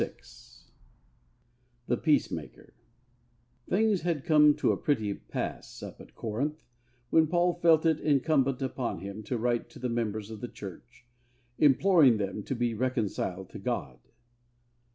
VI THE PEACEMAKER Things had come to a pretty pass up at Corinth, when Paul felt it incumbent upon him to write to the members of the Church, imploring them to be reconciled to God.